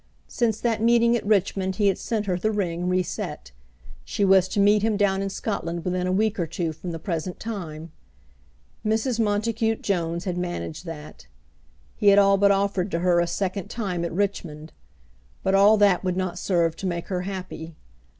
Since that meeting at Richmond he had sent her the ring reset. She was to meet him down in Scotland within a week or two from the present time. Mrs. Montacute Jones had managed that. He had all but offered to her a second time at Richmond. But all that would not serve to make her happy.